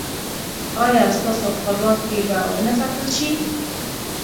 ایا ستاسو خپلواکي به و نه ساتل شي؟